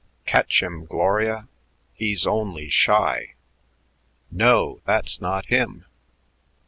"Catch him, Gloria; he's only shy!"... "No, that's not him!"